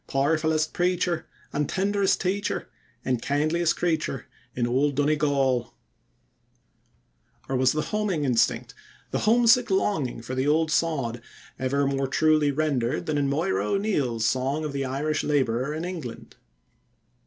Powerfullest preacher, And tinderest teacher, And kindliest creature in Old Donegal. [Footnote 1: "Your health."] Or was the homing instinct, the homesick longing for the old sod, ever more truly rendered than in Moira O'Neill's song of the Irish laborer in England?